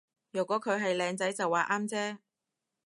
若果佢係靚仔就話啱啫